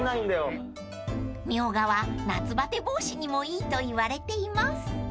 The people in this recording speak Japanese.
［ミョウガは夏バテ防止にもいいといわれています］